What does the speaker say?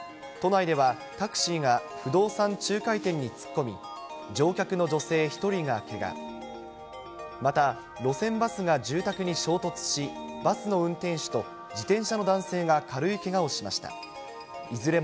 都内ではタクシーが不動産仲介店に突っ込み、乗客の女性１人がけが、また路線バスが住宅に衝突し、バスの運転手と自転車の男性が軽いけがをしました。